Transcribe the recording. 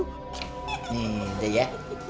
ini udah ya